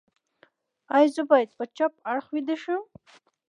ایا زه باید په چپ اړخ ویده شم؟